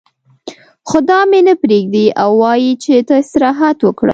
خو دا مې نه پرېږدي او وايي چې ته استراحت وکړه.